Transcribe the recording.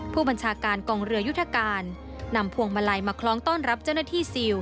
ผู้บัญชาการกองเรือยุทธการนำพวงมาลัยมาคล้องต้อนรับเจ้าหน้าที่ซิล